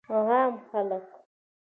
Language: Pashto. عام خلک